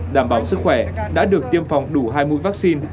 đảm bảo sức khỏe đã được tiêm phòng đủ hai mũi vaccine